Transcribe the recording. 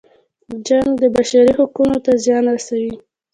جنګ د بشري حقونو ته زیان رسوي.